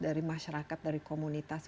dari masyarakat dari komunitas